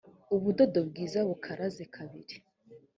ubudodo bwiza bukaraze kabiri